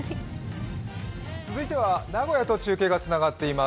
続いては名古屋と中継がつながっています。